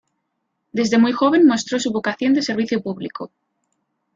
Desde muy joven mostró su vocación de servicio público.